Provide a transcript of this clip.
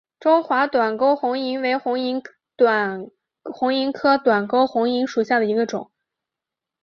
中华短沟红萤为红萤科短沟红萤属下的一个种。